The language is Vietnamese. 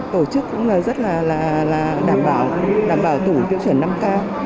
tổ chức cũng rất là đảm bảo tủ tiêu chuẩn năm k